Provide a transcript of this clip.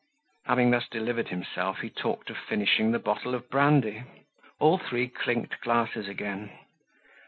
Having thus delivered himself, he talked of finishing the bottle of brandy. All three clinked glasses again.